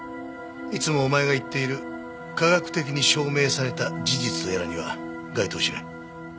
いつもお前が言っている科学的に証明された事実とやらには該当しない。